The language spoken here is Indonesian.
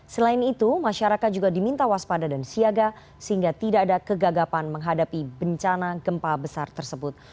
selain itu masyarakat juga diminta waspada dan siaga sehingga tidak ada kegagapan menghadapi bencana gempa besar tersebut